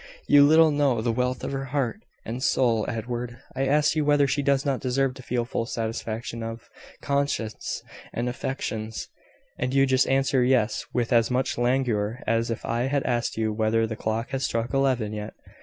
You little know the wealth of her heart and soul, Edward. I ask you whether she does not deserve to feel full satisfaction of conscience and affections, and you just answer `Yes,' with as much languor as if I had asked you whether the clock has struck eleven yet!